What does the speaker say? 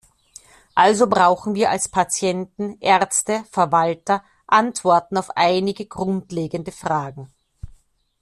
Also brauchen wir als Patienten, Ärzte, Verwalter Antworten auf einige grundlegende Fragen.